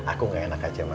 aku gak enak aja ma